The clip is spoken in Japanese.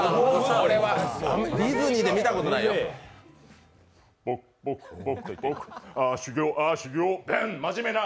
ディズニーで見たことないな。